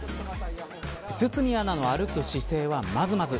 堤アナの歩く姿勢はまずまず。